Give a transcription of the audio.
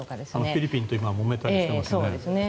フィリピンともめたりしてますよね。